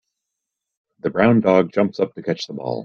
The brown dog jumps up to catch the ball.